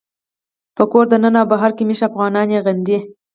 په کور دننه او بهر کې مېشت افغانان یې غندي